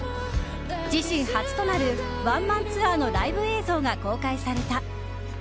自身初となるワンマンツアーのライブ映像が公開された。